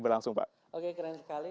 berlangsung pak oke keren sekali